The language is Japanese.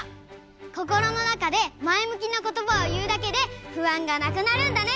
こころのなかでまえむきなことばをいうだけでふあんがなくなるんだね！